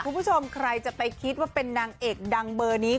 คุณผู้ชมใครจะไปคิดว่าเป็นนางเอกดังเบอร์นี้